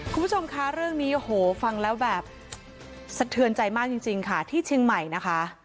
คุณผู้ชมคะเรื่องนี้โหฟังแล้วแบบสะเทือนใจมากจริงค่ะที่เชียงใหม่นะคะ